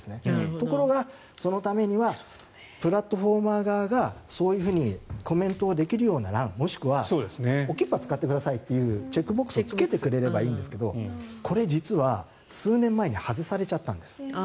ところがそのためにはプラットフォーマー側がそういうふうにコメントをできるような欄もしくはＯＫＩＰＰＡを使ってくださいというチェックボックスをつけてくれればいいんですがこれ、実は数年前に外されちゃったんです。